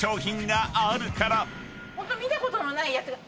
ホント見たことのないやつが。